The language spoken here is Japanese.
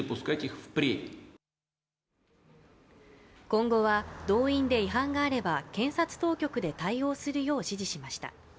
今後は動員で違反があれば検察当局で対応するよう指示しました。